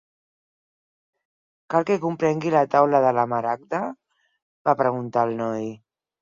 "Cal que comprengui la Taula de la Maragda?", va preguntar el noi.